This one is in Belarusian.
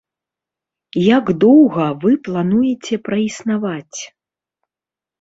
Як доўга вы плануеце праіснаваць?